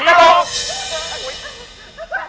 ผีทรง